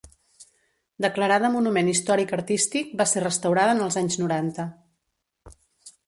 Declarada Monument Històric Artístic, va ser restaurada en els anys noranta.